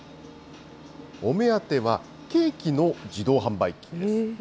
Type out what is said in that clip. お目当ては、ケーキの自動販売機です。